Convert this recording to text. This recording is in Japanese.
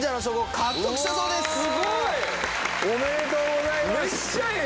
すごい！おめでとうございます。